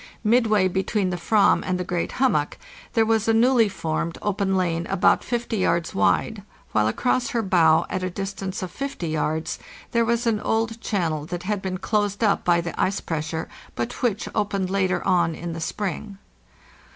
Mid way between the /vam and the great hummock there was a newly formed open lane about 50 yards wide, while across her bow, at a distance of 50 yards, there was an old channel that had been closed up by the ice pressure, but which opened later on in the spring.